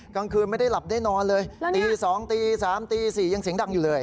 กลางคืนไม่ได้หลับได้นอนเลยตี๒ตี๓ตี๔ยังเสียงดังอยู่เลย